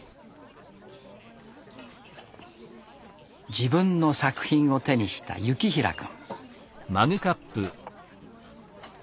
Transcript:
自分の作品を手にした倖成君。